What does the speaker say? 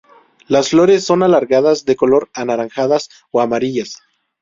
Las flores son alargadas de color anaranjadas o amarillas.